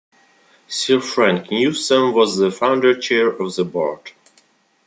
Sir Frank Newsam was the founder chair of the board.